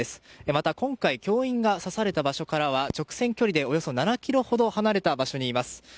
また、今回教員が刺された場所からは直線距離でおよそ７ｋｍほど離れた場所にいます。